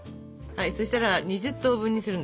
そしたら２０等分にするんだけど。